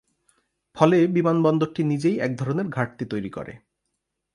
ফলে বিমানবন্দরটি নিজেই একধরনের ঘাটতি তৈরি করে।